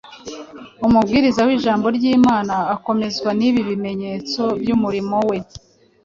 Umubwiriza w’ijambo ry’Imana akomezwa n’ibi bimenyetso by’umurimo we.